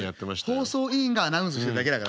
放送委員がアナウンスしてるだけだからね。